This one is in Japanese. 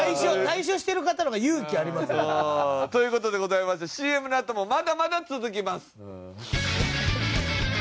退所してる方の方が勇気ありますよね。という事でございましてＣＭのあともまだまだ続きます。